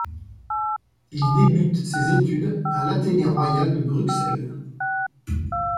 Il débute ses études à l’Athénée royal de Bruxelles.